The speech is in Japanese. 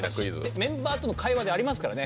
メンバーとの会話でありますからね。